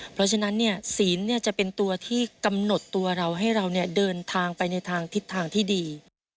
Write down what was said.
เพราะฉะนั้นศีลจะเป็นตัวที่กำหนดตัวเราให้เราเดินทางไปในทางทิศทางที่ดี